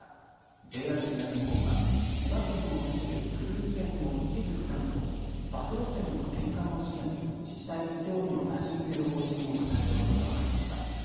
ＪＲ東日本は、千葉県を走る久留里線の一部区間をバス路線への転換を視野に自治体に協議を打診する方針を固めたことが分かりました。